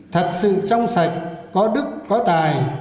trong sạch có đức có tài